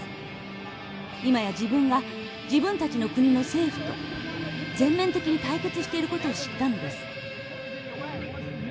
今や自分が自分たちの国の政府と全面的に対決している事を知ったのです」。